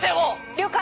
了解！